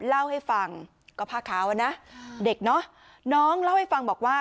เล่าให้ฟังก็ภาคาวเด็กน้องเล่าให้ฟังบอกว่า